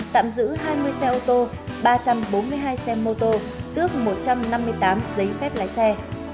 tạm giữ hai mươi xe ô tô ba trăm bốn mươi hai xe mô tô tước một trăm năm mươi tám giấy phép lái xe